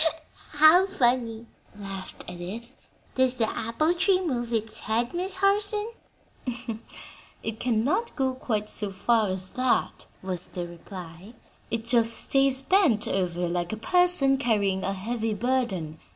'" "How funny!" laughed Edith. "Does the apple tree move its head, Miss Harson?" "It cannot go quite so far as that," was the reply; "it just stays bent over like a person carrying a heavy burden.